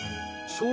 そう。